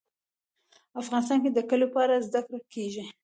افغانستان کې د کلیو په اړه زده کړه کېږي.